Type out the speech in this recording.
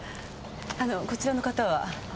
あのこちらの方は？